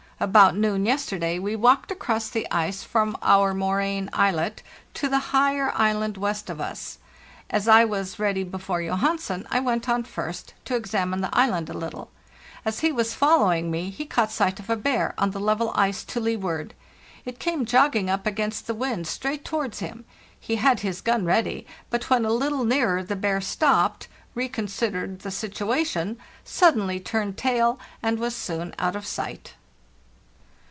About noon yesterday we walked across the ice from our moraine islet to the high er island west of us. As I was ready before Johansen, I went on first to examine the island a little. As he was following me he caught sight of a bear on the level ice to leeward. It came jogging up against the wind straight towards him. He had his gun ready, but when a little nearer the bear stopped, reconsidered the situation, sud denly turned tail, and was soon out of sight.